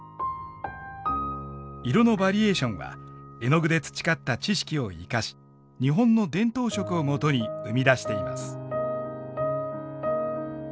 色のバリエーションは絵の具で培った知識を生かし日本の伝統色をもとに生み出しています。